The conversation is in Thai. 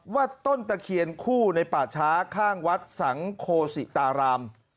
ว่าต้นตะเคียนคู่ในป่าช้าข้างวัดสังโคศิตาราม